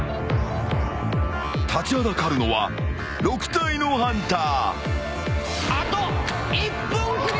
立ちはだかるのは６体のハンター。